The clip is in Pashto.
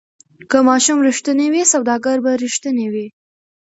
که ماشوم ریښتینی وي سوداګر به ریښتینی وي.